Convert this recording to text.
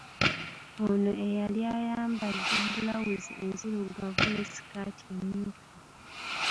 Ono eyali ayambadde bbulawuzi enzirugavu ne ssikaati emyufu.